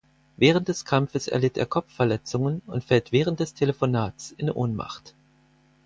Während des Kampfes erlitt er Kopfverletzungen und fällt während des Telefonats in Ohnmacht.